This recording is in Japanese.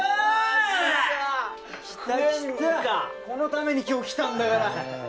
このために今日来たんだから。